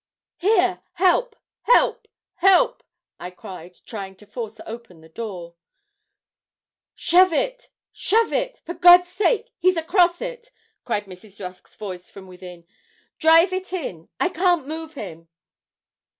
'Here! help, help, help!' I cried, trying to force open the door. 'Shove it, shove it, for God's sake! he's across it,' cried Mrs. Rusk's voice from within; 'drive it in. I can't move him.'